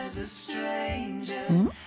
うん？